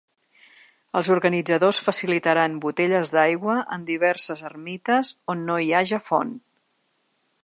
Els organitzadors facilitaran botelles d’aigua en diverses ermites on no hi haja font.